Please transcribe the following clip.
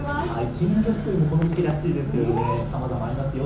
金魚すくいのこの時期らしいですけどね、さまざまありますよ。